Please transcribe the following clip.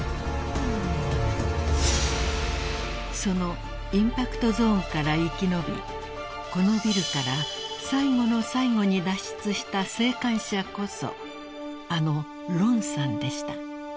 ［そのインパクトゾーンから生き延びこのビルから最後の最後に脱出した生還者こそあのロンさんでした］